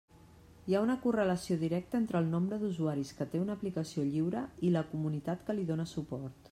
Hi ha una correlació directa entre el nombre d'usuaris que té una aplicació lliure i la comunitat que li dóna suport.